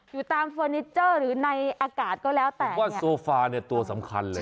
อยู่ตามเฟอร์นิเจอร์หรือในอากาศก็แล้วแต่ว่าโซฟาเนี่ยตัวสำคัญเลย